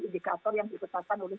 indikator yang disesatkan oleh